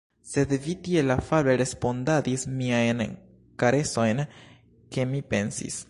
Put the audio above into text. Sed vi tiel afable respondadis miajn karesojn, ke mi pensis.